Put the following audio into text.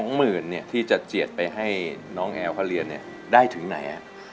หมื่นที่จะเจียดไปให้น้องแอลเขาเรียนได้ถึงไหน